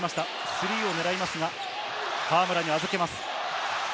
スリーを狙いますが、河村に預けます。